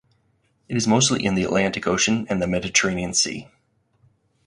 It is mostly in the Atlantic Ocean and the Mediterranean Sea.